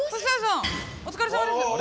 お疲れさまです。